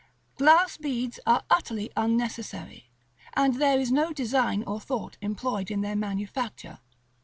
Glass beads are utterly unnecessary, and there is no design or thought employed in their manufacture.